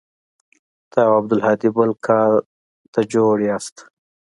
ته او عبدالهادي بل كار له جوړ يې.